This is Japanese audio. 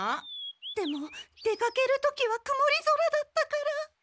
でも出かける時はくもり空だったから。